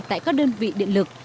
tại các đơn vị điện lực